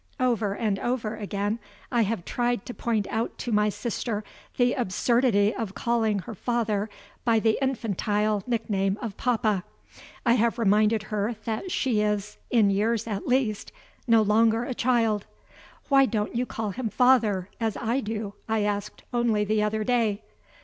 Over and over again I have tried to point out to my sister the absurdity of calling her father by the infantile nickname of papa. I have reminded her that she is (in years, at least) no longer a child. "Why don't you call him father, as I do?" I asked only the other day.